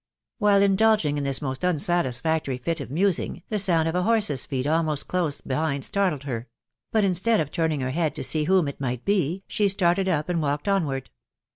While indulging in this most unsatisfactory fit of musing, the sound of a horse's feet almost close behind startled her ; but instead of turning her head to see whom it might be, she started up, and walked onward.